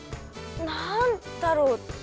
◆何だろう。